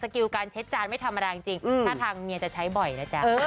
คุณผู้ชม